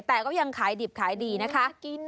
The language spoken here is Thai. แต่ก็ยังขายดิบขายดีนะคะ